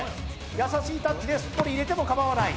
優しいタッチですっぽり入れても構わない。